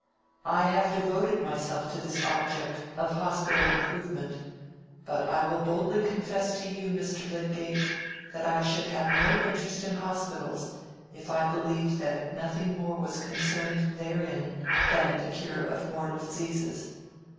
I have devoted myself to this object of hospital improvement, but I will boldly confess to you, Mr. Lydgate, that I should have no interest in hospitals if I believed that nothing more was concerned therein than the cure of mortal diseases.